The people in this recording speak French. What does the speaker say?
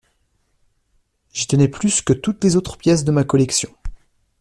J’y tenais plus que toutes les autres pièces de ma collection.